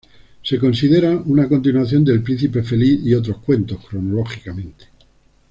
Se considera una continuación de "El príncipe feliz y otros cuentos", cronológicamente.